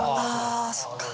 あそっか。